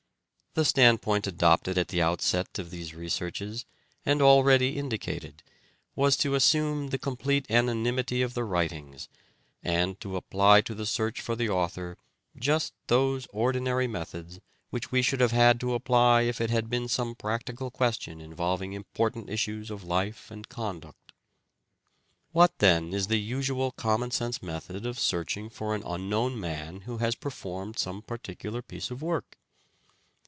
The standpoint adopted at the outset of these researches, and already indicated, was to assume the complete anonymity of the writings, and to apply to the search for the author just those ordinary methods which we should have had to apply if it had been some practical question involving important issues of life and conduct. What then is the usual common sense method of searching for an unknown man who has performed some particular piece of work